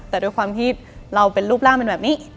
แต่ด้วยความที่เราเป็นรูปร่างเป็นแบบนี้